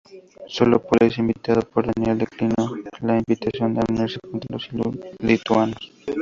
Sólo Poles, invitado por Daniel, declinó la invitación a unirse contra los lituanos.